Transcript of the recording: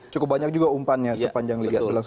cukup banyak juga umpannya sepanjang liga dua belas